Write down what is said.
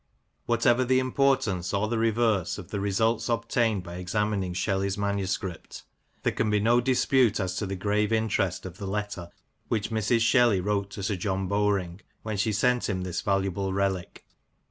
Whatever the importance or the reverse of the results obtained by examining Shelley's manuscript, there can be no dispute as to the grave interest of the letter which Mrs. Shelley wrote to Sir John Bowring when she sent him this valuable relic.